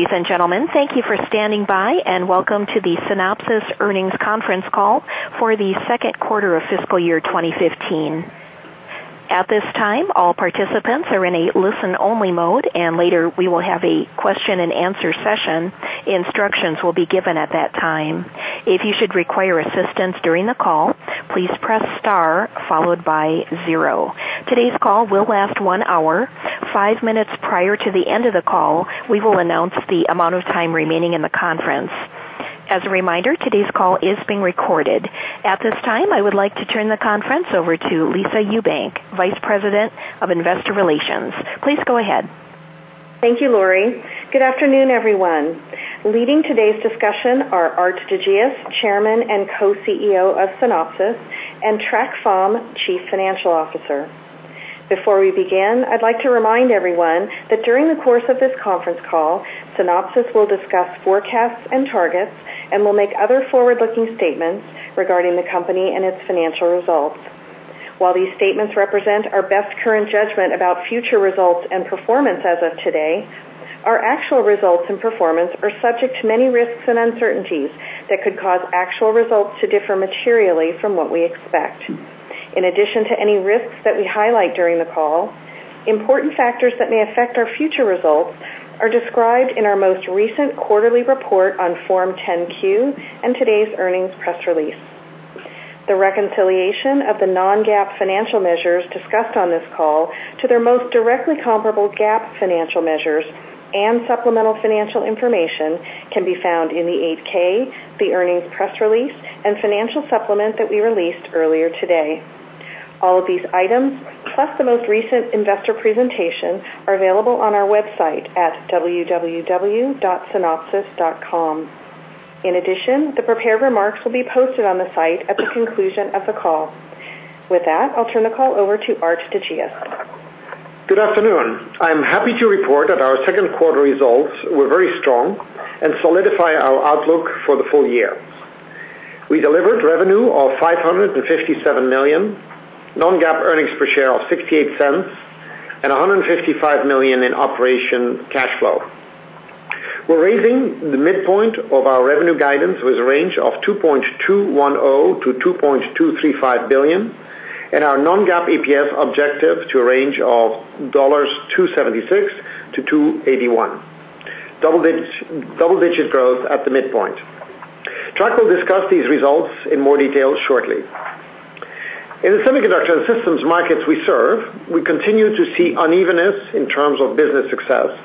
Ladies and gentlemen, thank you for standing by. Welcome to the Synopsys earnings conference call for the second quarter of fiscal year 2015. At this time, all participants are in a listen-only mode. Later we will have a question-and-answer session. Instructions will be given at that time. If you should require assistance during the call, please press star followed by zero. Today's call will last one hour. Five minutes prior to the end of the call, we will announce the amount of time remaining in the conference. As a reminder, today's call is being recorded. At this time, I would like to turn the conference over to Lisa Ewbank, Vice President of Investor Relations. Please go ahead. Thank you, Lori. Good afternoon, everyone. Leading today's discussion are Aart de Geus, Chairman and Co-CEO of Synopsys, and Trac Pham, Chief Financial Officer. Before we begin, I'd like to remind everyone that during the course of this conference call, Synopsys will discuss forecasts and targets and will make other forward-looking statements regarding the company and its financial results. While these statements represent our best current judgment about future results and performance as of today, our actual results and performance are subject to many risks and uncertainties that could cause actual results to differ materially from what we expect. In addition to any risks that we highlight during the call, important factors that may affect our future results are described in our most recent quarterly report on Form 10-Q and today's earnings press release. The reconciliation of the non-GAAP financial measures discussed on this call to their most directly comparable GAAP financial measures and supplemental financial information can be found in the 8-K, the earnings press release, and financial supplement that we released earlier today. All of these items, plus the most recent investor presentation, are available on our website at www.synopsys.com. In addition, the prepared remarks will be posted on the site at the conclusion of the call. With that, I'll turn the call over to Aart de Geus. Good afternoon. I'm happy to report that our second quarter results were very strong and solidify our outlook for the full year. We delivered revenue of $557 million, non-GAAP earnings per share of $0.68, and $155 million in operation cash flow. We're raising the midpoint of our revenue guidance with a range of $2.210 billion-$2.235 billion and our non-GAAP EPS objective to a range of $2.76-$2.81, double-digit growth at the midpoint. Trac will discuss these results in more detail shortly. In the semiconductor and systems markets we serve, we continue to see unevenness in terms of business success,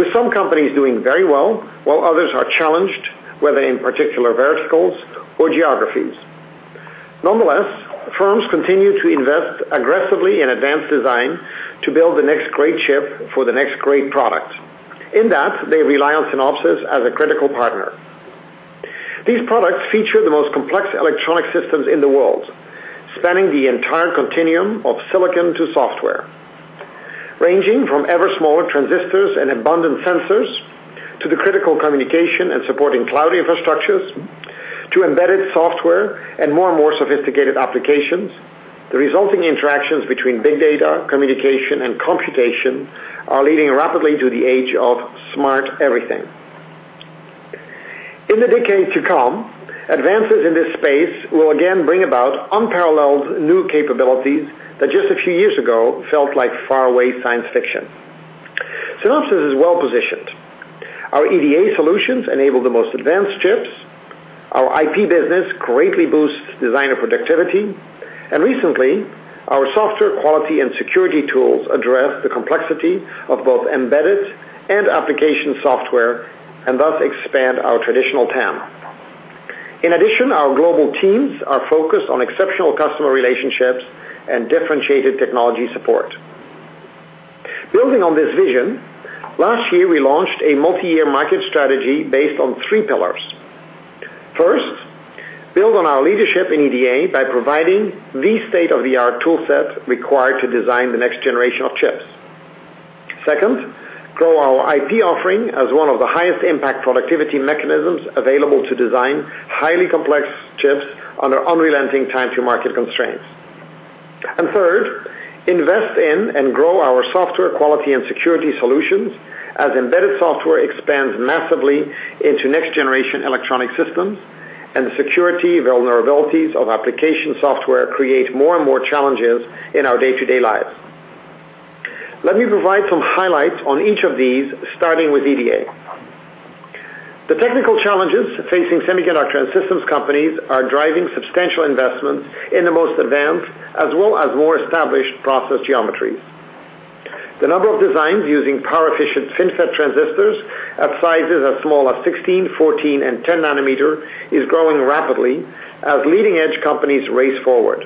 with some companies doing very well while others are challenged, whether in particular verticals or geographies. Nonetheless, firms continue to invest aggressively in advanced design to build the next great chip for the next great product. In that, they rely on Synopsys as a critical partner. These products feature the most complex electronic systems in the world, spanning the entire continuum of silicon to software, ranging from ever smaller transistors and abundant sensors to the critical communication and supporting cloud infrastructures to embedded software and more and more sophisticated applications. The resulting interactions between big data, communication, and computation are leading rapidly to the age of smart everything. In the decades to come, advances in this space will again bring about unparalleled new capabilities that just a few years ago felt like faraway science fiction. Synopsys is well-positioned. Our EDA solutions enable the most advanced chips, our IP business greatly boosts designer productivity, and recently, our software quality and security tools address the complexity of both embedded and application software and thus expand our traditional TAM. In addition, our global teams are focused on exceptional customer relationships and differentiated technology support. Building on this vision, last year we launched a multi-year market strategy based on three pillars. First, build on our leadership in EDA by providing the state-of-the-art tool set required to design the next generation of chips. Second, grow our IP offering as one of the highest impact productivity mechanisms available to design highly complex chips under unrelenting time-to-market constraints. Third, invest in and grow our software quality and security solutions as embedded software expands massively into next-generation electronic systems and the security vulnerabilities of application software create more and more challenges in our day-to-day lives. Let me provide some highlights on each of these, starting with EDA. The technical challenges facing semiconductor and systems companies are driving substantial investment in the most advanced as well as more established process geometries. The number of designs using power-efficient FinFET transistors at sizes as small as 16, 14, and 10 nanometer is growing rapidly as leading-edge companies race forward.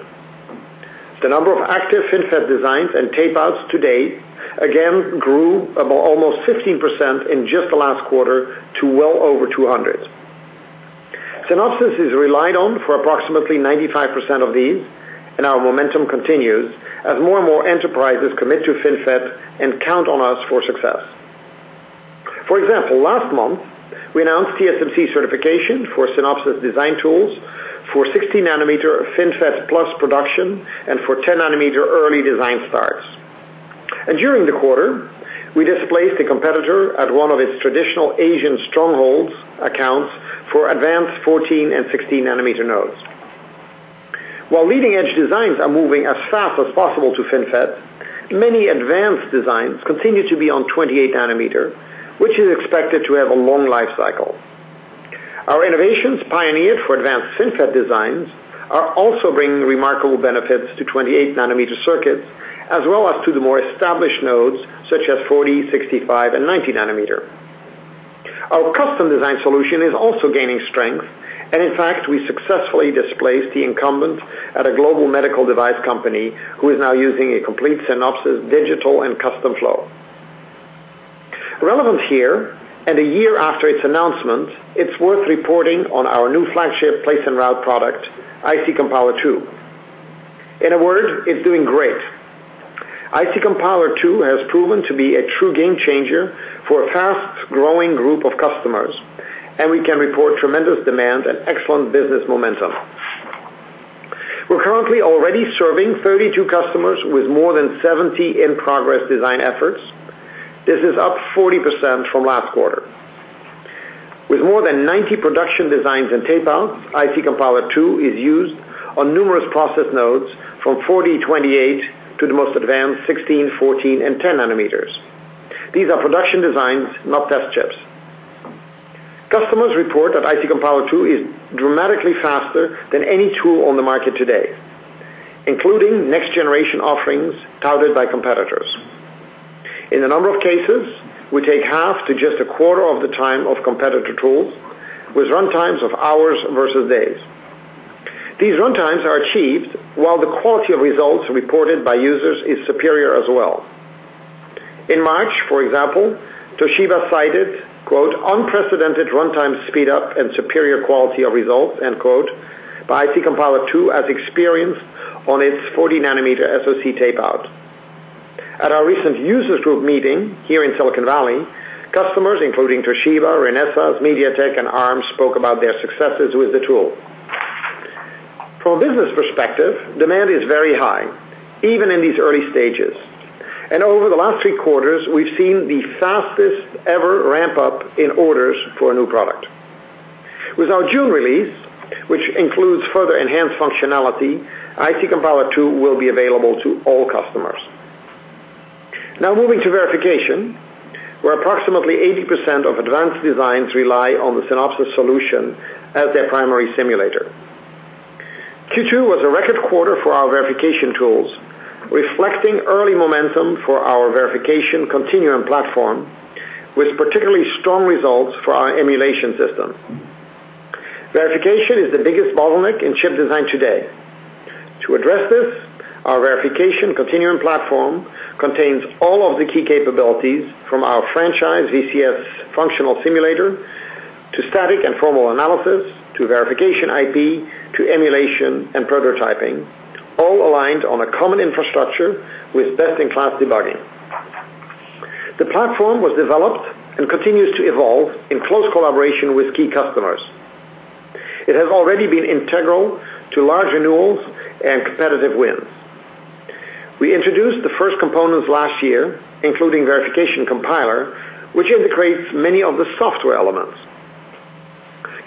The number of active FinFET designs and tape-outs to date again grew almost 15% in just the last quarter to well over 200. Synopsys is relied on for approximately 95% of these, and our momentum continues as more and more enterprises commit to FinFET and count on us for success. For example, last month, we announced TSMC certification for Synopsys design tools for 60 nanometer FinFET+ production and for 10 nanometer early design starts. During the quarter, we displaced a competitor at one of its traditional Asian strongholds accounts for advanced 14 and 16 nanometer nodes. While leading-edge designs are moving as fast as possible to FinFET, many advanced designs continue to be on 28 nanometer, which is expected to have a long life cycle. Our innovations pioneered for advanced FinFET designs are also bringing remarkable benefits to 28 nanometer circuits, as well as to the more established nodes such as 40, 65, and 90 nanometer. Our custom design solution is also gaining strength, and in fact, we successfully displaced the incumbent at a global medical device company who is now using a complete Synopsys digital and custom flow. Relevant here, a year after its announcement, it's worth reporting on our new flagship place and route product, IC Compiler2. In a word, it's doing great. IC Compiler2 has proven to be a true game changer for a fast-growing group of customers, and we can report tremendous demand and excellent business momentum. We're currently already serving 32 customers with more than 70 in-progress design efforts. This is up 40% from last quarter. With more than 90 production designs in tape out, IC Compiler II is used on numerous process nodes from 40, 28, to the most advanced 16, 14, and 10 nanometers. These are production designs, not test chips. Customers report that IC Compiler II is dramatically faster than any tool on the market today, including next-generation offerings touted by competitors. In a number of cases, we take half to just a quarter of the time of competitor tools, with runtimes of hours versus days. These runtimes are achieved while the quality of results reported by users is superior as well. In March, for example, Toshiba cited, quote, "unprecedented runtime speed up and superior quality of results" end quote, by IC Compiler II as experienced on its 40 nanometer SoC tape out. At our recent users group meeting here in Silicon Valley, customers including Toshiba, Renesas, MediaTek, and Arm spoke about their successes with the tool. From a business perspective, demand is very high, even in these early stages. Over the last three quarters, we've seen the fastest ever ramp up in orders for a new product. With our June release, which includes further enhanced functionality, IC Compiler II will be available to all customers. Now moving to verification, where approximately 80% of advanced designs rely on the Synopsys solution as their primary simulator. Q2 was a record quarter for our verification tools, reflecting early momentum for our Verification Continuum platform, with particularly strong results for our emulation system. Verification is the biggest bottleneck in chip design today. To address this, our Verification Continuum platform contains all of the key capabilities from our franchise VCS functional simulator to static and formal analysis, to Verification IP, to emulation and prototyping, all aligned on a common infrastructure with best-in-class debugging. The platform was developed and continues to evolve in close collaboration with key customers. It has already been integral to large renewals and competitive wins. We introduced the first components last year, including Verification Compiler, which integrates many of the software elements.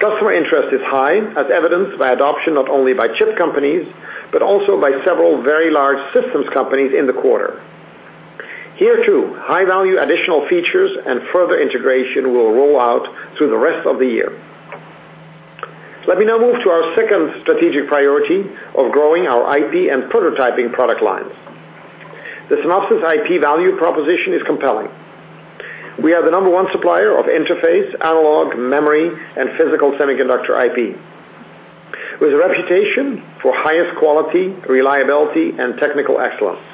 Customer interest is high, as evidenced by adoption not only by chip companies, but also by several very large systems companies in the quarter. Here, too, high-value additional features and further integration will roll out through the rest of the year. Let me now move to our second strategic priority of growing our IP and prototyping product lines. The Synopsys IP value proposition is compelling. We are the number one supplier of interface, analog, memory, and physical semiconductor IP with a reputation for highest quality, reliability, and technical excellence.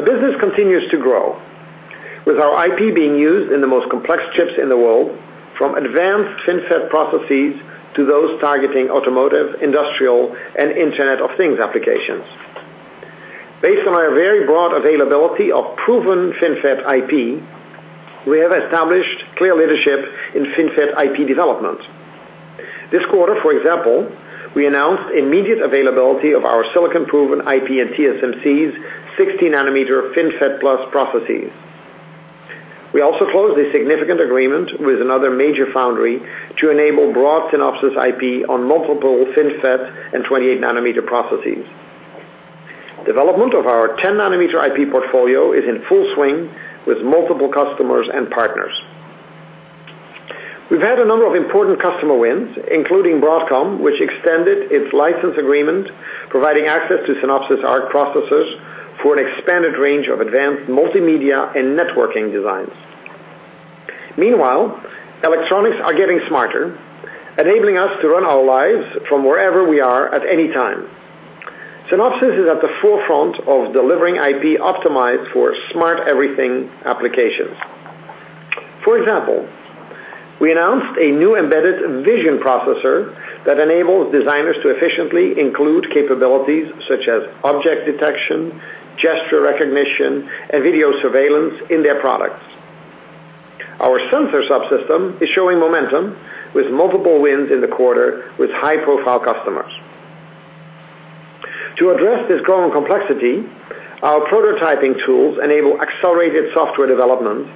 The business continues to grow with our IP being used in the most complex chips in the world, from advanced FinFET processes to those targeting automotive, industrial, and Internet of Things applications. Based on our very broad availability of proven FinFET IP, we have established clear leadership in FinFET IP development. This quarter, for example, we announced immediate availability of our silicon-proven IP and TSMC's 60 nanometer FinFET+ processes. We also closed a significant agreement with another major foundry to enable broad Synopsys IP on multiple FinFET and 28 nanometer processes. Development of our 10 nanometer IP portfolio is in full swing with multiple customers and partners. We've had a number of important customer wins, including Broadcom, which extended its license agreement, providing access to Synopsys ARC processors for an expanded range of advanced multimedia and networking designs. Meanwhile, electronics are getting smarter, enabling us to run our lives from wherever we are at any time. Synopsys is at the forefront of delivering IP optimized for smart everything applications. For example, we announced a new embedded vision processor that enables designers to efficiently include capabilities such as object detection, gesture recognition, and video surveillance in their products. Our sensor subsystem is showing momentum with multiple wins in the quarter with high-profile customers. To address this growing complexity, our prototyping tools enable accelerated software development,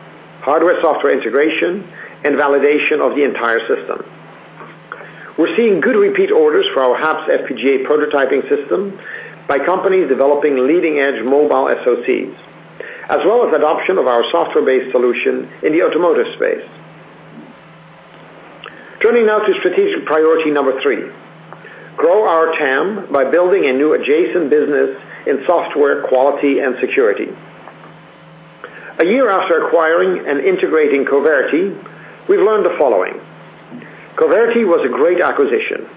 hardware-software integration, and validation of the entire system. We're seeing good repeat orders for our HAPS FPGA prototyping system by companies developing leading-edge mobile SOCs, as well as adoption of our software-based solution in the automotive space. Turning now to strategic priority number three, grow our TAM by building a new adjacent business in software quality and security. A year after acquiring and integrating Coverity, we've learned the following. Coverity was a great acquisition,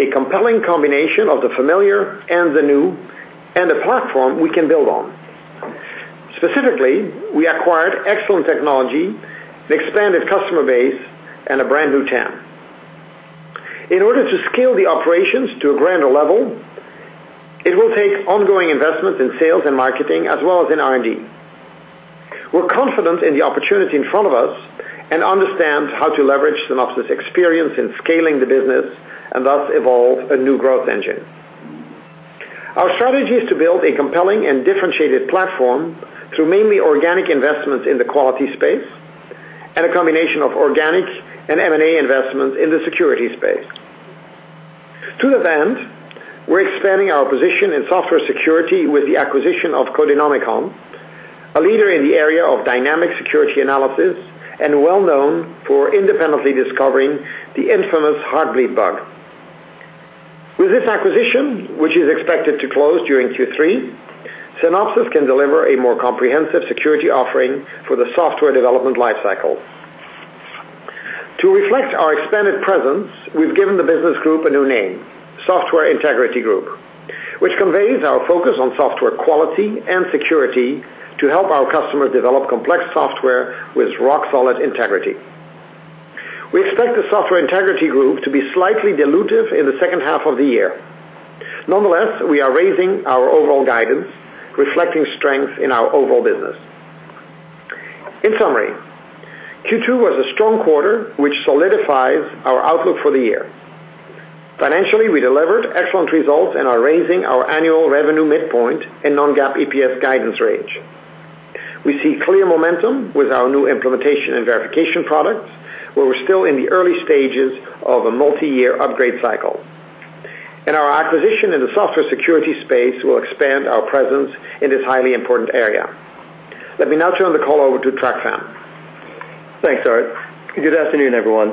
a compelling combination of the familiar and the new, and a platform we can build on. Specifically, we acquired excellent technology, an expanded customer base, and a brand-new TAM. In order to scale the operations to a grander level, it will take ongoing investment in sales and marketing, as well as in R&D. We're confident in the opportunity in front of us and understand how to leverage Synopsys' experience in scaling the business and thus evolve a new growth engine. Our strategy is to build a compelling and differentiated platform through mainly organic investments in the quality space and a combination of organic and M&A investments in the security space. To that end, we're expanding our position in software security with the acquisition of Codenomicon, a leader in the area of dynamic security analysis and well-known for independently discovering the infamous Heartbleed bug. With this acquisition, which is expected to close during Q3, Synopsys can deliver a more comprehensive security offering for the software development life cycle. To reflect our expanded presence, we've given the business group a new name, Software Integrity Group, which conveys our focus on software quality and security to help our customers develop complex software with rock-solid integrity. We expect the Software Integrity Group to be slightly dilutive in the second half of the year. We are raising our overall guidance, reflecting strength in our overall business. In summary, Q2 was a strong quarter, which solidifies our outlook for the year. Financially, we delivered excellent results and are raising our annual revenue midpoint and non-GAAP EPS guidance range. We see clear momentum with our new implementation and verification products, where we're still in the early stages of a multi-year upgrade cycle. Our acquisition in the software security space will expand our presence in this highly important area. Let me now turn the call over to Trac Pham. Thanks, Aart. Good afternoon, everyone.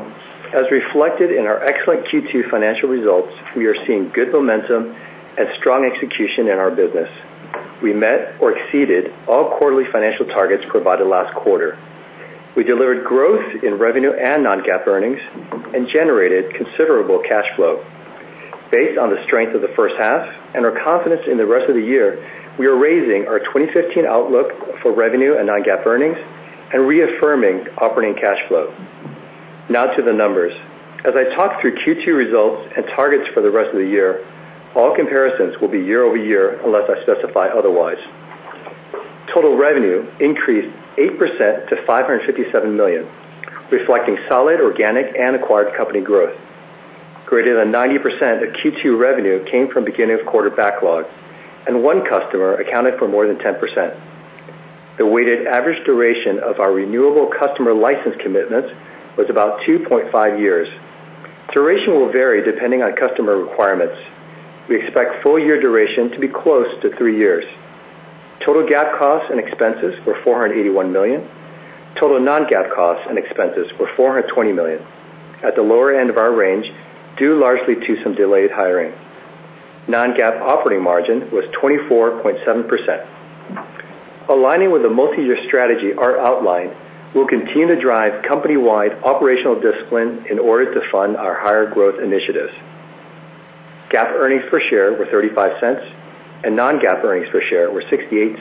As reflected in our excellent Q2 financial results, we are seeing good momentum and strong execution in our business. We met or exceeded all quarterly financial targets provided last quarter. We delivered growth in revenue and non-GAAP earnings and generated considerable cash flow. Based on the strength of the first half and our confidence in the rest of the year, we are raising our 2015 outlook for revenue and non-GAAP earnings and reaffirming operating cash flow. Now to the numbers. As I talk through Q2 results and targets for the rest of the year, all comparisons will be year-over-year unless I specify otherwise. Total revenue increased 8% to $557 million, reflecting solid organic and acquired company growth. Greater than 90% of Q2 revenue came from beginning of quarter backlog, and one customer accounted for more than 10%. The weighted average duration of our renewable customer license commitments was about 2.5 years. Duration will vary depending on customer requirements. We expect full year duration to be close to three years. Total GAAP costs and expenses were $481 million. Total non-GAAP costs and expenses were $420 million, at the lower end of our range, due largely to some delayed hiring. Non-GAAP operating margin was 24.7%. Aligning with the multi-year strategy Aart outlined, we will continue to drive company-wide operational discipline in order to fund our higher growth initiatives. GAAP earnings per share were $0.35, and non-GAAP earnings per share were $0.68.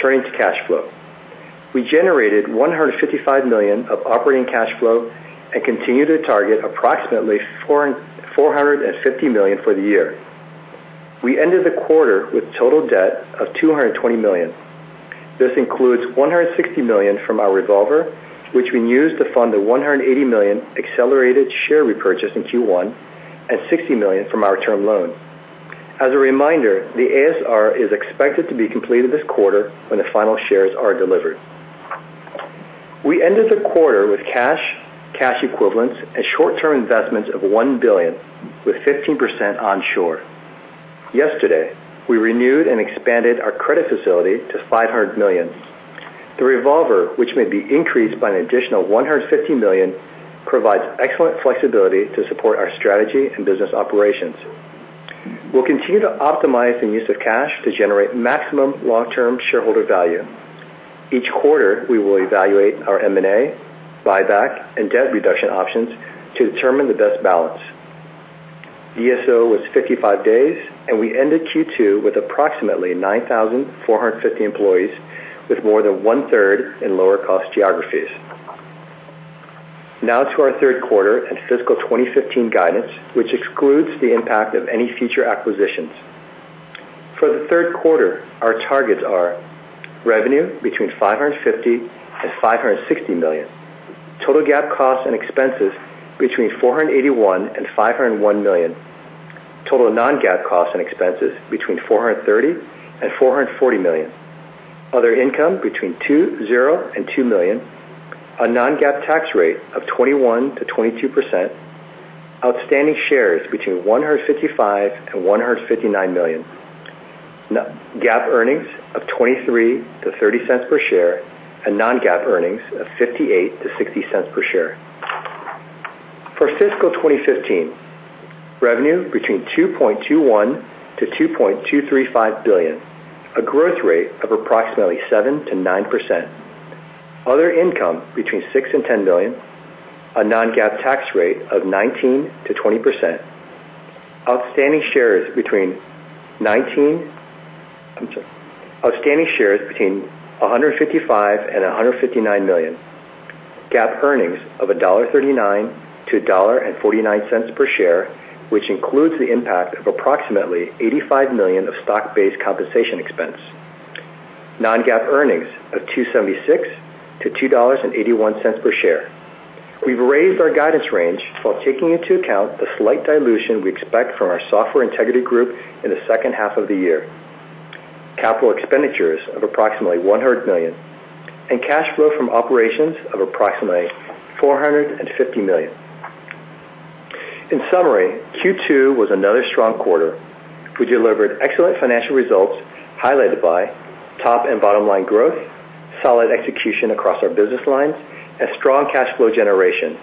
Turning to cash flow. We generated $155 million of operating cash flow and continue to target approximately $450 million for the year. We ended the quarter with total debt of $220 million. This includes $160 million from our revolver, which we used to fund the $180 million accelerated share repurchase in Q1 and $60 million from our term loan. As a reminder, the ASR is expected to be completed this quarter when the final shares are delivered. We ended the quarter with cash equivalents, and short-term investments of $1 billion, with 15% onshore. Yesterday, we renewed and expanded our credit facility to $500 million. The revolver, which may be increased by an additional $150 million, provides excellent flexibility to support our strategy and business operations. We will continue to optimize the use of cash to generate maximum long-term shareholder value. Each quarter, we will evaluate our M&A, buyback, and debt reduction options to determine the best balance. DSO was 55 days, and we ended Q2 with approximately 9,450 employees, with more than one-third in lower cost geographies. Now to our third quarter and fiscal 2015 guidance, which excludes the impact of any future acquisitions. For the third quarter, our targets are revenue between $550 million-$560 million. Total GAAP costs and expenses between $481 million-$501 million. Total non-GAAP costs and expenses between $430 million-$440 million. Other income between $0-$2 million. A non-GAAP tax rate of 21%-22%. Outstanding shares between 155 million-159 million. GAAP earnings of $0.23-$0.30 per share, and non-GAAP earnings of $0.58-$0.60 per share. For fiscal 2015, revenue between $2.21 billion-$2.235 billion, a growth rate of approximately 7%-9%. Other income between $6 million-$10 million. A non-GAAP tax rate of 19%-20%. Outstanding shares between 155 million-159 million. GAAP earnings of $1.39 to $1.49 per share, which includes the impact of approximately $85 million of stock-based compensation expense. Non-GAAP earnings of $2.76 to $2.81 per share. We've raised our guidance range while taking into account the slight dilution we expect from our Software Integrity Group in the second half of the year. Capital expenditures of approximately $100 million, cash flow from operations of approximately $450 million. In summary, Q2 was another strong quarter. We delivered excellent financial results, highlighted by top and bottom-line growth, solid execution across our business lines, and strong cash flow generation.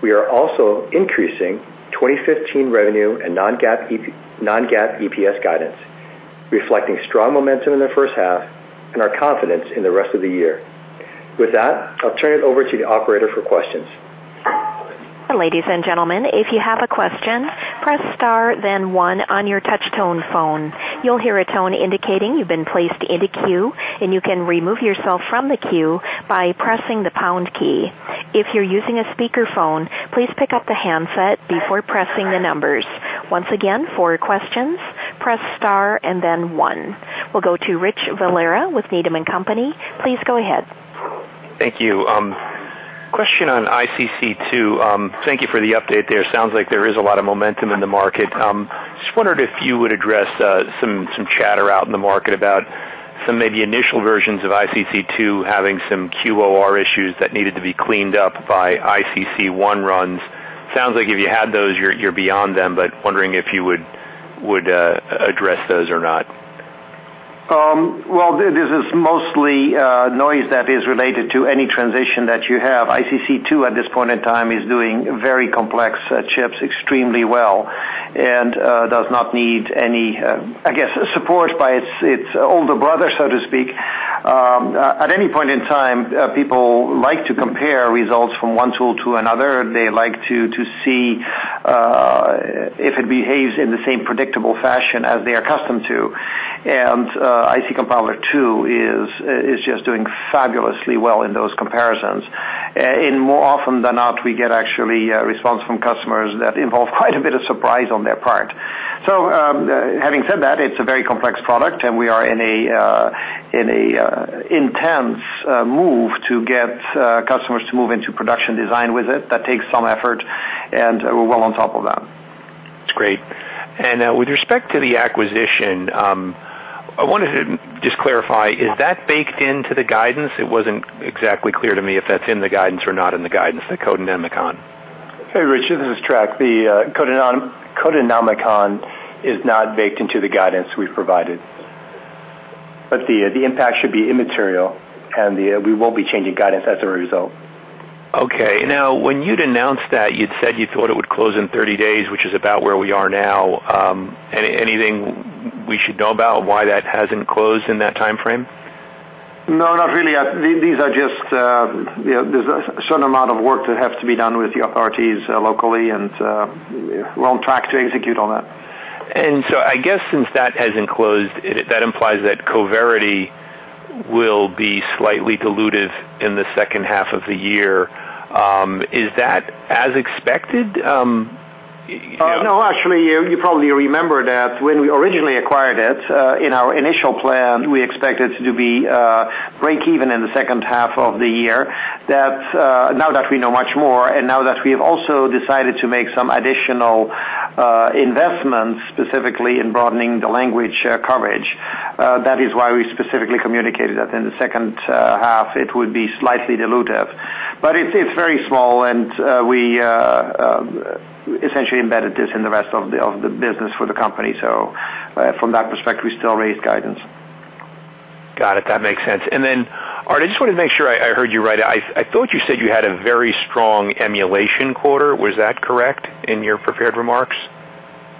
We are also increasing 2015 revenue and non-GAAP EPS guidance, reflecting strong momentum in the first half and our confidence in the rest of the year. With that, I'll turn it over to the operator for questions. Ladies and gentlemen, if you have a question, press star, then one on your touch tone phone. You'll hear a tone indicating you've been placed in a queue, you can remove yourself from the queue by pressing the pound key. If you're using a speakerphone, please pick up the handset before pressing the numbers. Once again, for questions, press star and then one. We'll go to Richard Valera with Needham & Company. Please go ahead. Thank you. Question on ICC2. Thank you for the update there. Sounds like there is a lot of momentum in the market. Just wondered if you would address some chatter out in the market about some maybe initial versions of ICC2 having some QOR issues that needed to be cleaned up by ICC1 runs. Sounds like if you had those, you're beyond them, wondering if you would address those or not. Well, this is mostly noise that is related to any transition that you have. ICC2 at this point in time is doing very complex chips extremely well, does not need any support by its older brother, so to speak. At any point in time, people like to compare results from one tool to another. They like to see if it behaves in the same predictable fashion as they are accustomed to. IC Compiler 2 is just doing fabulously well in those comparisons. More often than not, we get actually a response from customers that involve quite a bit of surprise on their part. Having said that, it's a very complex product, we are in an intense move to get customers to move into production design with it. That takes some effort, we're well on top of that. That's great. With respect to the acquisition, I wanted to just clarify, is that baked into the guidance? It wasn't exactly clear to me if that's in the guidance or not in the guidance, the Codenomicon. Hey, Rich, this is Trac. The Codenomicon is not baked into the guidance we've provided. The impact should be immaterial, and we won't be changing guidance as a result. Okay. When you'd announced that, you'd said you thought it would close in 30 days, which is about where we are now. Anything we should know about why that hasn't closed in that timeframe? No, not really. There's a certain amount of work that has to be done with the authorities locally, and we're on track to execute on that. I guess since that hasn't closed, that implies that Coverity will be slightly dilutive in the second half of the year. Is that as expected? No, actually, you probably remember that when we originally acquired it, in our initial plan, we expected to be break even in the second half of the year. Now that we know much more, and now that we've also decided to make some additional investments, specifically in broadening the language coverage, that is why we specifically communicated that in the second half, it would be slightly dilutive. It's very small, and we essentially embedded this in the rest of the business for the company. From that perspective, we still raised guidance. Got it. That makes sense. Then, Aart, I just want to make sure I heard you right. I thought you said you had a very strong emulation quarter. Was that correct in your prepared remarks?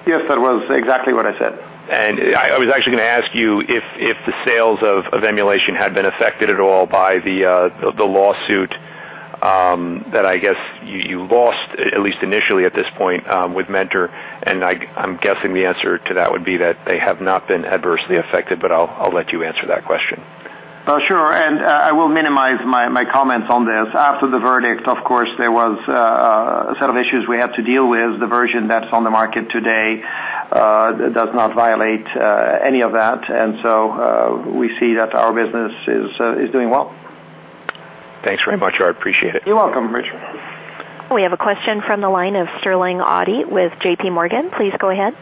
Yes, that was exactly what I said. I was actually going to ask you if the sales of emulation had been affected at all by the lawsuit that I guess you lost, at least initially at this point, with Mentor. I'm guessing the answer to that would be that they have not been adversely affected, but I'll let you answer that question. Sure, I will minimize my comments on this. After the verdict, of course, there was a set of issues we had to deal with. The version that's on the market today does not violate any of that, we see that our business is doing well. Thanks very much. I appreciate it. You're welcome, Richard. We have a question from the line of Sterling Auty with JPMorgan. Please go ahead.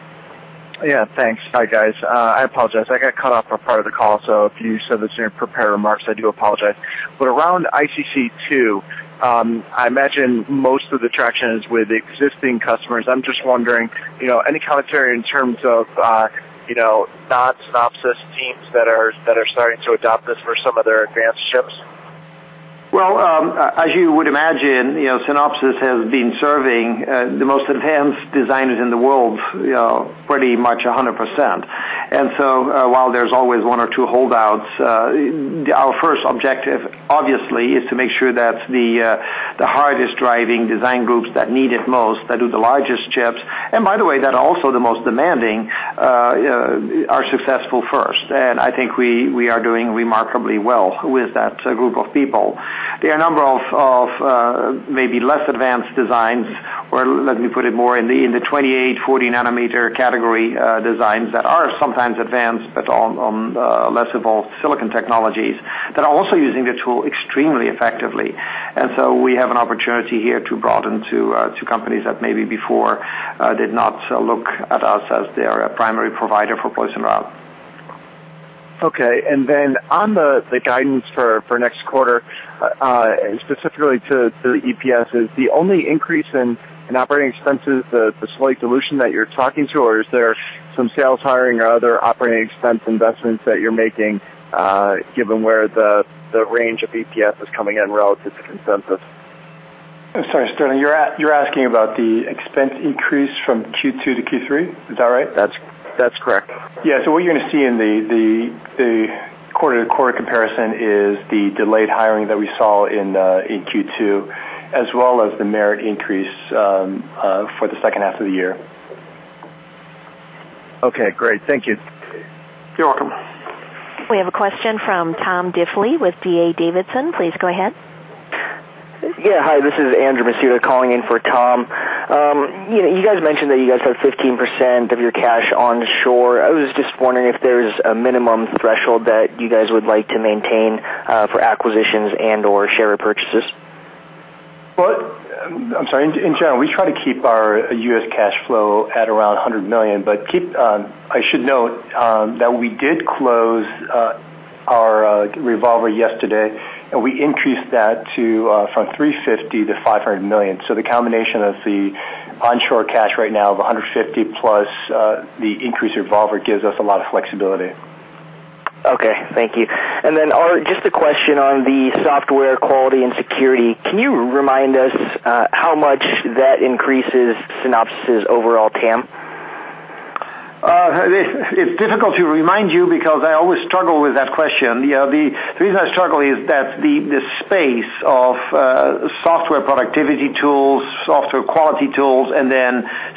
Yeah, thanks. Hi, guys. I apologize. I got cut off for part of the call. If you said this in your prepared remarks, I do apologize. Around ICC2, I imagine most of the traction is with existing customers. I'm just wondering, any commentary in terms of non-Synopsys teams that are starting to adopt this for some of their advanced chips? Well, as you would imagine, Synopsys has been serving the most advanced designers in the world pretty much 100%. While there's always one or two holdouts, our first objective, obviously, is to make sure that the hardest driving design groups that need it most, that do the largest chips, and by the way, that are also the most demanding, are successful first. I think we are doing remarkably well with that group of people. There are a number of maybe less advanced designs, or let me put it more, in the 28, 40 nanometer category designs that are sometimes advanced, but on less evolved silicon technologies, that are also using the tool extremely effectively. We have an opportunity here to broaden to companies that maybe before did not look at us as their primary provider for place and route. Okay. On the guidance for next quarter, specifically to the EPS, is the only increase in operating expenses the slight dilution that you're talking to, or is there some sales hiring or other operating expense investments that you're making, given where the range of EPS is coming in relative to consensus? Sorry, Sterling, you're asking about the expense increase from Q2 to Q3? Is that right? That's correct. Yeah. What you're going to see in the quarter-to-quarter comparison is the delayed hiring that we saw in Q2, as well as the merit increase for the second half of the year. Okay, great. Thank you. You're welcome. We have a question from Tom Diffely with D.A. Davidson. Please go ahead. Yeah. Hi, this is Andrew Masuda calling in for Tom. You guys mentioned that you guys have 15% of your cash on shore. I was just wondering if there's a minimum threshold that you guys would like to maintain for acquisitions and/or share purchases. Well, I'm sorry. In general, we try to keep our U.S. cash flow at around $100 million, but I should note that we did close our revolver yesterday, and we increased that from $350 million-$500 million. The combination of the onshore cash right now of $150 million plus the increased revolver gives us a lot of flexibility. Okay. Thank you. Aart, just a question on the software quality and security. Can you remind us how much that increases Synopsys' overall TAM? It's difficult to remind you because I always struggle with that question. The reason I struggle is that the space of software productivity tools, software quality tools,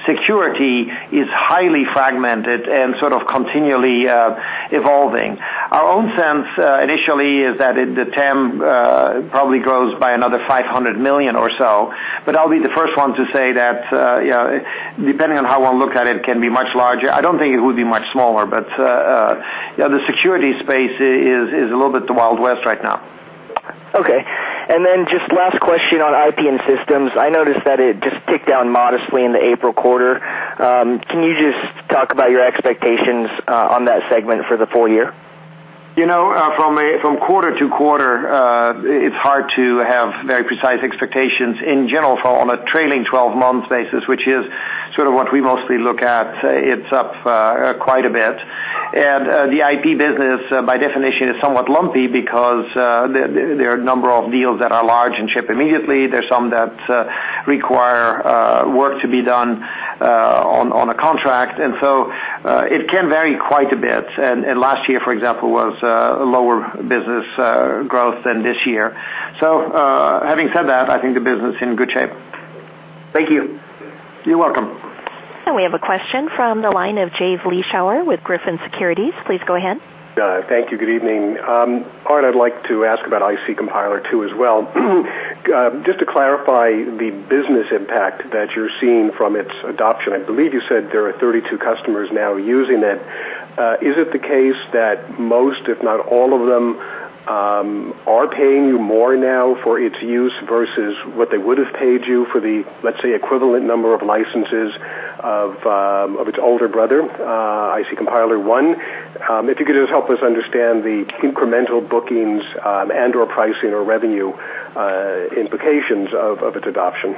security is highly fragmented and sort of continually evolving. Our own sense initially is that the TAM probably grows by another $500 million or so. I'll be the first one to say that, depending on how one look at it, can be much larger. I don't think it would be much smaller, the security space is a little bit the Wild West right now. Okay. Just last question on IP and systems. I noticed that it just ticked down modestly in the April quarter. Can you just talk about your expectations on that segment for the full year? From quarter to quarter, it's hard to have very precise expectations in general on a trailing 12 months basis, which is sort of what we mostly look at. It's up quite a bit. The IP business, by definition, is somewhat lumpy because there are a number of deals that are large and ship immediately. There's some that require work to be done on a contract, it can vary quite a bit. Last year, for example, was a lower business growth than this year. Having said that, I think the business in good shape. Thank you. You're welcome. We have a question from the line of Jay Vleeschhouwer with Griffin Securities. Please go ahead. Thank you. Good evening. Aart, I'd like to ask about IC Compiler II, as well. Just to clarify the business impact that you're seeing from its adoption, I believe you said there are 32 customers now using it. Is it the case that most, if not all of them, are paying you more now for its use versus what they would have paid you for the, let's say, equivalent number of licenses of its older brother, IC Compiler I? If you could just help us understand the incremental bookings and/or pricing or revenue implications of its adoption.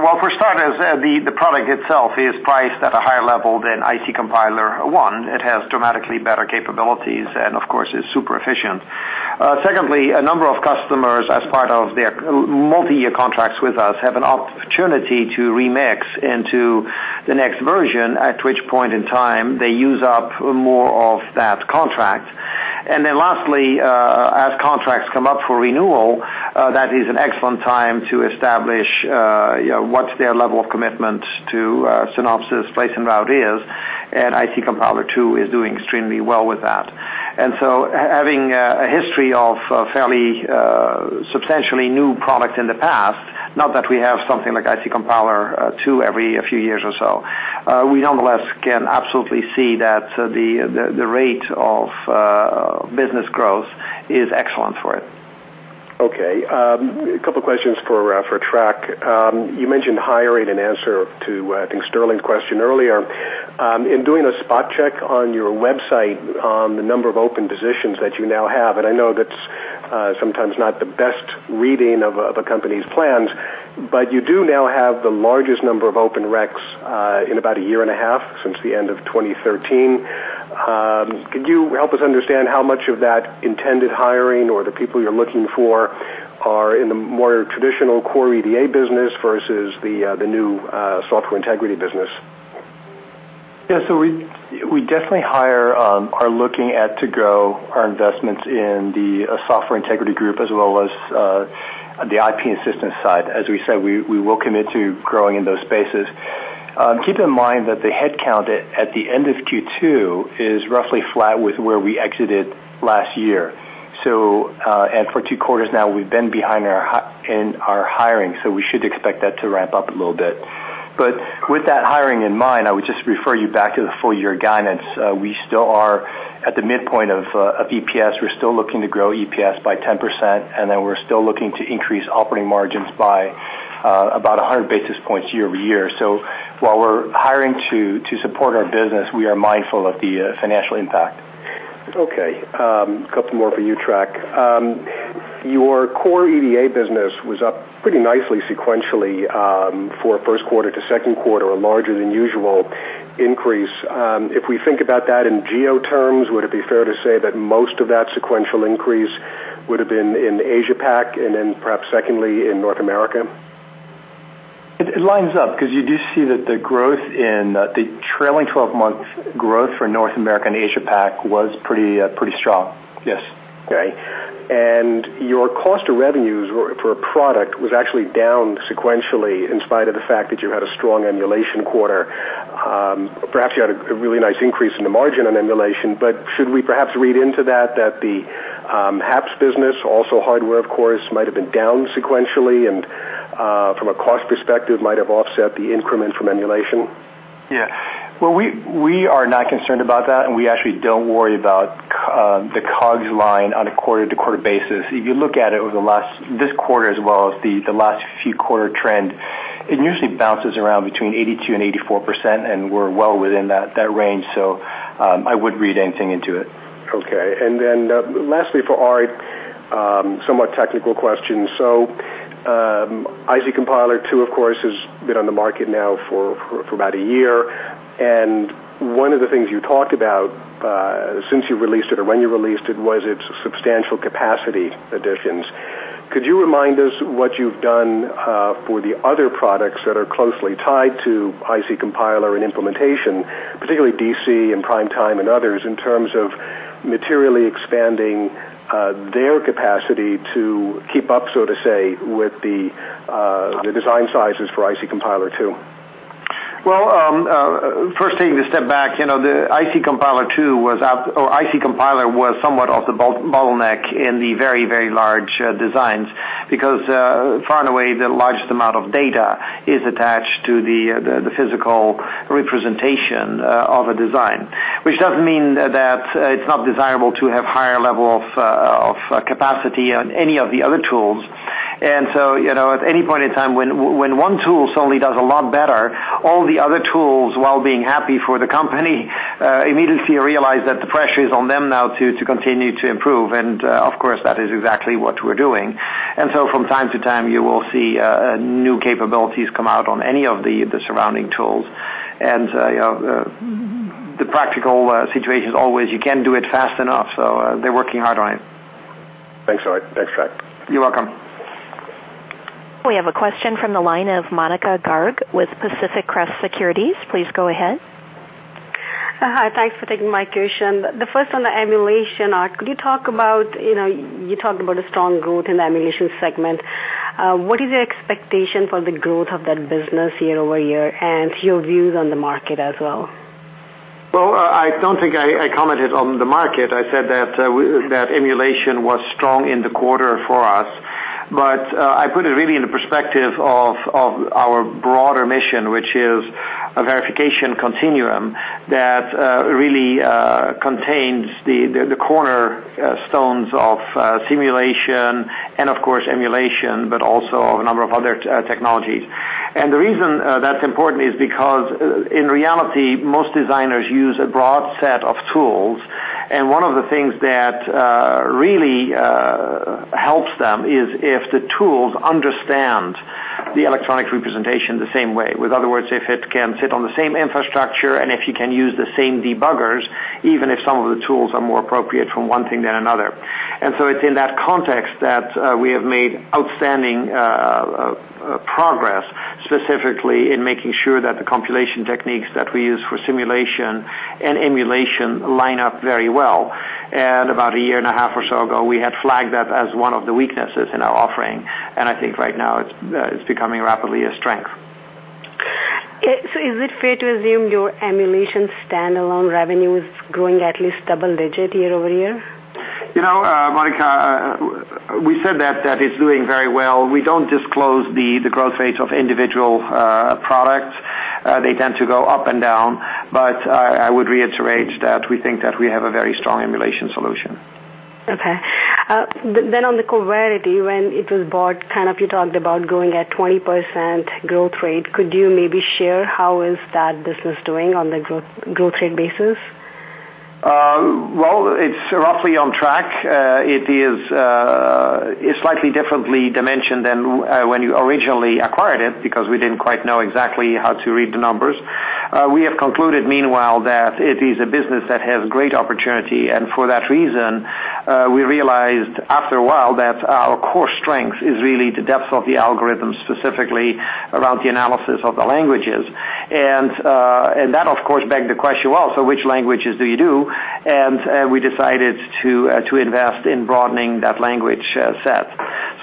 Well, for starters, the product itself is priced at a higher level than IC Compiler One. It has dramatically better capabilities and of course, is super efficient. Secondly, a number of customers, as part of their multi-year contracts with us, have an opportunity to remix into the next version, at which point in time they use up more of that contract. Lastly, as contracts come up for renewal, that is an excellent time to establish what their level of commitment to Synopsys place and route is. IC Compiler II is doing extremely well with that. Having a history of fairly substantially new products in the past, not that we have something like IC Compiler II every few years or so. We nonetheless can absolutely see that the rate of business growth is excellent for it. Okay. A couple of questions for Trac. You mentioned hiring in answer to, I think, Sterling's question earlier. In doing a spot check on your website on the number of open positions that you now have, I know that's sometimes not the best reading of a company's plans, but you do now have the largest number of open recs in about a year and a half, since the end of 2013. Could you help us understand how much of that intended hiring or the people you're looking for are in the more traditional core EDA business versus the new Software Integrity business? Yeah. We definitely hire, are looking to grow our investments in the Software Integrity Group as well as the IP and system side. As we said, we will commit to growing in those spaces. Keep in mind that the headcount at the end of Q2 is roughly flat with where we exited last year. For two quarters now, we've been behind in our hiring, we should expect that to ramp up a little bit. With that hiring in mind, I would just refer you back to the full-year guidance. We still are at the midpoint of EPS. We're still looking to grow EPS by 10%, we're still looking to increase operating margins by about 100 basis points year-over-year. While we're hiring to support our business, we are mindful of the financial impact. Okay. A couple more for you, Trac. Your core EDA business was up pretty nicely sequentially, for first quarter to second quarter, a larger than usual increase. If we think about that in geo terms, would it be fair to say that most of that sequential increase would've been in Asia PAC and perhaps secondly in North America? It lines up because you do see that the growth in the trailing 12 months growth for North America and Asia PAC was pretty strong. Yes. Okay. Your cost to revenues for a product was actually down sequentially in spite of the fact that you had a strong emulation quarter. Perhaps you had a really nice increase in the margin on emulation, but should we perhaps read into that the HAPS business, also hardware of course, might have been down sequentially, and from a cost perspective might have offset the increment from emulation? Well, we are not concerned about that, and we actually don't worry about the COGS line on a quarter-to-quarter basis. If you look at it over this quarter as well as the last few quarter trend, it usually bounces around between 82% and 84%, and we're well within that range. I wouldn't read anything into it. Okay. Lastly for Aart, a somewhat technical question. IC Compiler2, of course, has been on the market now for about a year. One of the things you talked about, since you released it or when you released it, was its substantial capacity additions. Could you remind us what you've done for the other products that are closely tied to IC Compiler and implementation, particularly DC and PrimeTime and others, in terms of materially expanding their capacity to keep up, so to say, with the design sizes for IC Compiler2? Well, first taking a step back, the IC Compiler was somewhat of the bottleneck in the very, very large designs because far and away, the largest amount of data is attached to the physical representation of a design, which doesn't mean that it's not desirable to have higher level of capacity on any of the other tools. At any point in time when one tool suddenly does a lot better, all the other tools, while being happy for the company, immediately realize that the pressure is on them now to continue to improve. Of course, that is exactly what we're doing. From time to time, you will see new capabilities come out on any of the surrounding tools. The practical situation is always you can't do it fast enough. They're working hard on it. Thanks, Aart. Thanks, Trac. You're welcome. We have a question from the line of Monika Garg with Pacific Crest Securities. Please go ahead. Hi. Thanks for taking my question. The first on the emulation, Aart, you talked about a strong growth in the emulation segment. What is your expectation for the growth of that business year-over-year, and your views on the market as well? Well, I don't think I commented on the market. I said that emulation was strong in the quarter for us. I put it really in the perspective of our broader mission, which is a Verification Continuum that really contains the cornerstones of simulation and, of course, emulation, but also a number of other technologies. The reason that's important is because in reality, most designers use a broad set of tools, and one of the things that really helps them is if the tools understand the electronic representation the same way. In other words, if it can sit on the same infrastructure and if you can use the same debuggers, even if some of the tools are more appropriate for one thing than another. It's in that context that we have made outstanding progress specifically in making sure that the compilation techniques that we use for simulation and emulation line up very well. About a year and a half or so ago, we had flagged that as one of the weaknesses in our offering, and I think right now it's becoming rapidly a strength. Is it fair to assume your emulation standalone revenue is growing at least double-digit year-over-year? Monika, we said that it's doing very well. We don't disclose the growth rates of individual products. They tend to go up and down. I would reiterate that we think that we have a very strong emulation solution. Okay. On the Coverity, when it was bought, you talked about growing at 20% growth rate. Could you maybe share how is that business doing on the growth rate basis? Well, it's roughly on track. It is slightly differently dimensioned than when you originally acquired it, because we didn't quite know exactly how to read the numbers. We have concluded, meanwhile, that it is a business that has great opportunity, and for that reason, we realized after a while that our core strength is really the depth of the algorithm, specifically around the analysis of the languages. That, of course, begged the question, well, which languages do you do? We decided to invest in broadening that language set.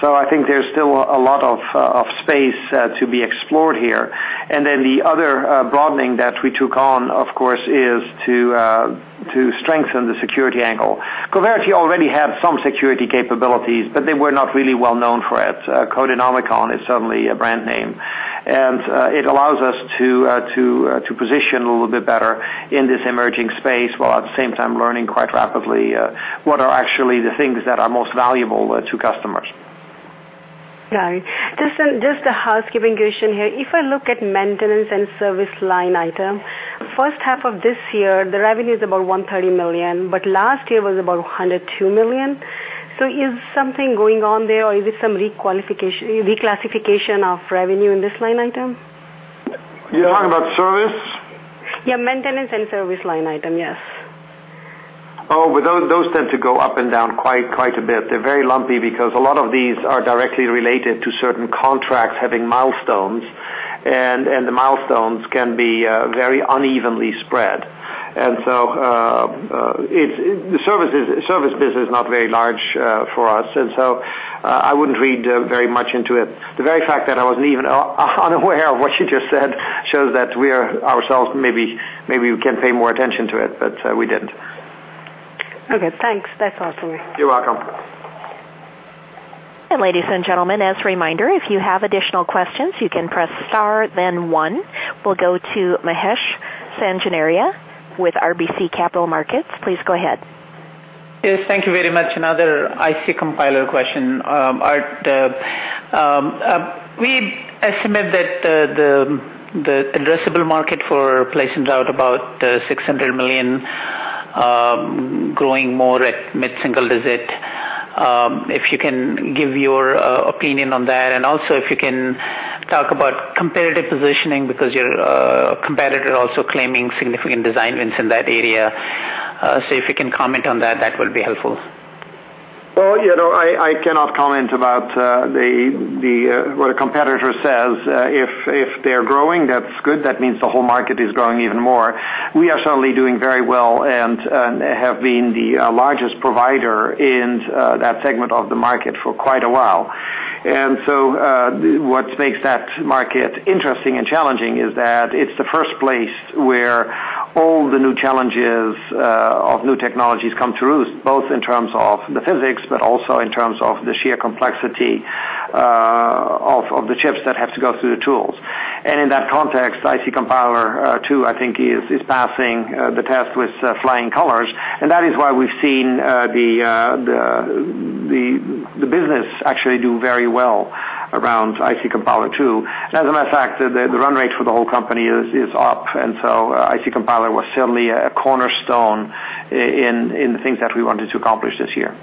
I think there's still a lot of space to be explored here. Then the other broadening that we took on, of course, is to strengthen the security angle. Coverity already had some security capabilities, but they were not really well-known for it. Codenomicon is certainly a brand name, it allows us to position a little bit better in this emerging space, while at the same time learning quite rapidly what are actually the things that are most valuable to customers. Got it. Just a housekeeping question here. If I look at maintenance and service line item, first half of this year, the revenue is about $130 million, but last year was about $102 million. Is something going on there, or is it some reclassification of revenue in this line item? You're talking about service? Yeah. Maintenance and service line item, yes. Oh, those tend to go up and down quite a bit. They're very lumpy because a lot of these are directly related to certain contracts having milestones, and the milestones can be very unevenly spread. The service business is not very large for us, I wouldn't read very much into it. The very fact that I was even unaware of what you just said shows that we are ourselves, maybe we can pay more attention to it, but we didn't. Okay, thanks. That's all for me. You're welcome. Ladies and gentlemen, as a reminder, if you have additional questions, you can press star then one. We'll go to Mahesh Sanganeria with RBC Capital Markets. Please go ahead. Yes, thank you very much. Another IC Compiler question. Aart, we estimate that the addressable market for place and route about $600 million, growing more at mid-single digit. If you can give your opinion on that, also if you can talk about competitive positioning because your competitor also claiming significant design wins in that area. If you can comment on that would be helpful. Well, I cannot comment about what a competitor says. If they're growing, that's good. That means the whole market is growing even more. We are certainly doing very well, and have been the largest provider in that segment of the market for quite a while. What makes that market interesting and challenging is that it's the first place where all the new challenges of new technologies come to roost, both in terms of the physics, but also in terms of the sheer complexity of the chips that have to go through the tools. In that context, IC Compiler II, I think, is passing the test with flying colors, and that is why we've seen the business actually do very well around IC Compiler II. As a matter of fact, the run rate for the whole company is up, IC Compiler was certainly a cornerstone in the things that we wanted to accomplish this year.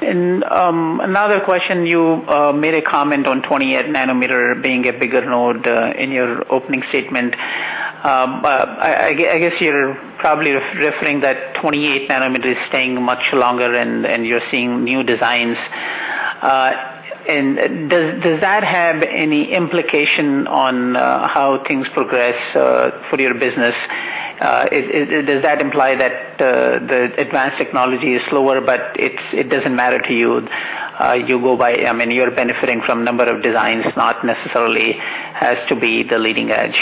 Another question. You made a comment on 28 nanometer being a bigger node in your opening statement. I guess you're probably referring that 28 nanometer is staying much longer and you're seeing new designs. Does that have any implication on how things progress for your business? Does that imply that the advanced technology is slower, but it doesn't matter to you? You're benefiting from number of designs, not necessarily has to be the leading edge.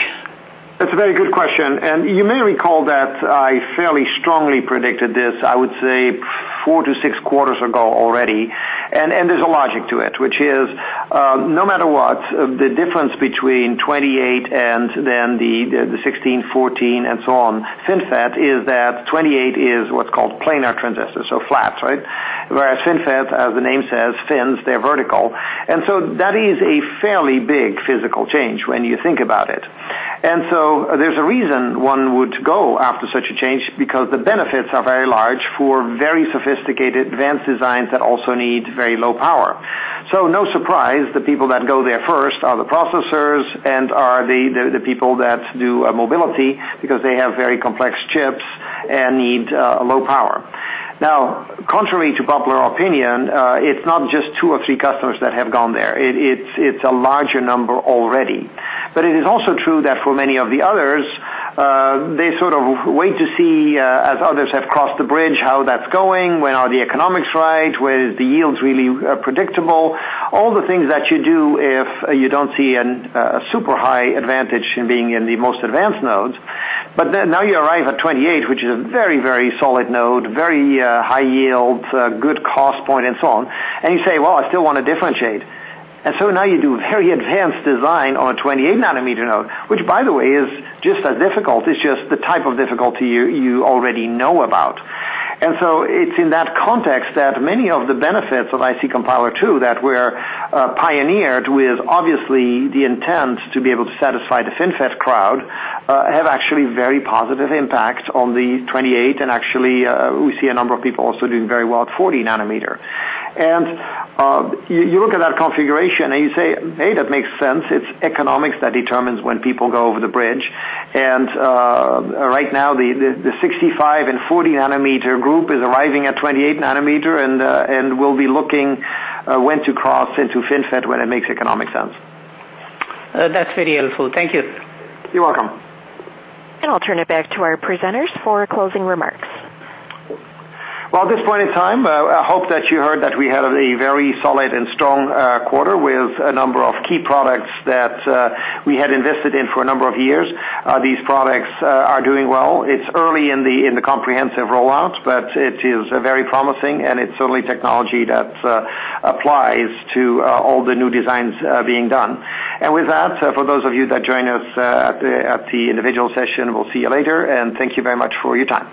That's a very good question, you may recall that I fairly strongly predicted this, I would say 4 to 6 quarters ago already. There's a logic to it, which is, no matter what, the difference between 28 and then the 16, 14, and so on, FinFET, is that 28 is what's called planar transistors, so flat. Whereas FinFET, as the name says, fins, they're vertical. That is a fairly big physical change when you think about it. There's a reason one would go after such a change because the benefits are very large for very sophisticated advanced designs that also need very low power. No surprise, the people that go there first are the processors and are the people that do mobility because they have very complex chips and need low power. Contrary to popular opinion, it's not just two or three customers that have gone there. It's a larger number already. It is also true that for many of the others. They sort of wait to see, as others have crossed the bridge, how that's going, when are the economics right, where the yields really are predictable. All the things that you do if you don't see a super high advantage in being in the most advanced nodes. Now you arrive at 28, which is a very solid node, very high yield, good cost point, and so on, and you say, "Well, I still want to differentiate." Now you do very advanced design on a 28 nanometer node, which by the way, is just as difficult, it's just the type of difficulty you already know about. It's in that context that many of the benefits of IC Compiler II, that were pioneered with obviously the intent to be able to satisfy the FinFET crowd, have actually very positive impact on the 28 and actually, we see a number of people also doing very well at 40 nanometer. You look at that configuration and you say, "Hey, that makes sense." It's economics that determines when people go over the bridge. Right now the 65 and 40 nanometer group is arriving at 28 nanometer and will be looking when to cross into FinFET when it makes economic sense. That's very helpful. Thank you. You're welcome. I'll turn it back to our presenters for closing remarks. Well, at this point in time, I hope that you heard that we had a very solid and strong quarter with a number of key products that we had invested in for a number of years. These products are doing well. It's early in the comprehensive rollout, but it is very promising and it's certainly technology that applies to all the new designs being done. With that, for those of you that join us at the individual session, we'll see you later, and thank you very much for your time.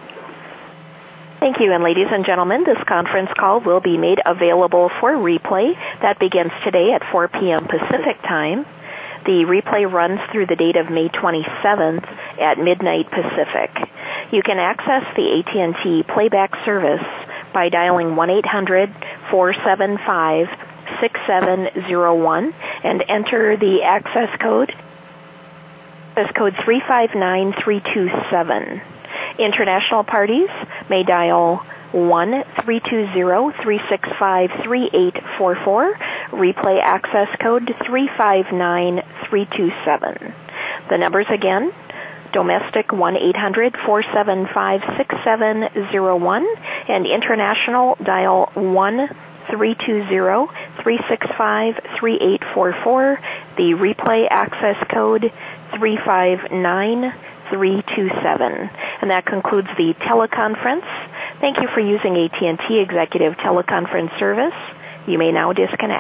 Thank you. Ladies and gentlemen, this conference call will be made available for replay. That begins today at 4:00 P.M. Pacific Time. The replay runs through the date of May 27th at midnight Pacific. You can access the AT&T playback service by dialing 1-800-475-6701 and enter the access code 359327. International parties may dial 1-320-365-3844. Replay access code 359327. The numbers again, domestic, 1-800-475-6701 and international, dial 1-320-365-3844. The replay access code 359327. That concludes the teleconference. Thank you for using AT&T Executive Teleconference Service. You may now disconnect.